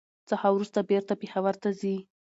څخه ورورسته بېرته پېښور ته ځي.